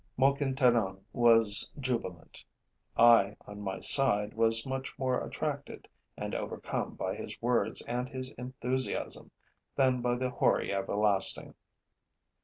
Moquin Tandon was jubilant. I, on my side, was much more attracted and overcome by his words and his enthusiasm than by the hoary everlasting.